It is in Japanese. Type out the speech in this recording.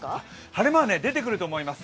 晴れ間は出てくると思います。